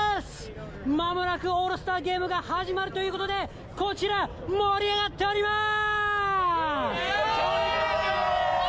まもなくオールスターゲームが始まるということで、こちら、盛り上がっております！